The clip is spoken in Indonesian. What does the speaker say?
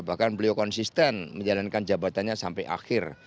bahkan beliau konsisten menjalankan jabatannya sampai akhir